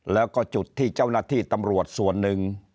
แล้วก็จุดที่เจ้าหน้าที่ตำรวจส่วนหนึ่ง